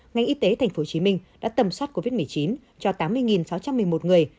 ngành y tế tp hcm đã tầm soát covid một mươi chín cho tám mươi sáu trăm một mươi một người